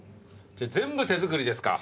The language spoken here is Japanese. じゃあ全部手作りですか。